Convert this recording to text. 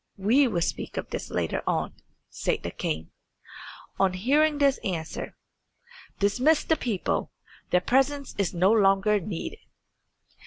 "We will speak of this later on," said the king, on hearing this answer. "Dismiss the people. Their presence is no longer needed."